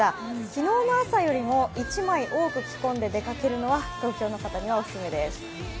昨日の朝よりも１枚多く着込んで出かけるのは東京の方にはおすすめです。